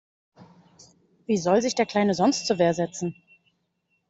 Wie soll sich der Kleine sonst zur Wehr setzen?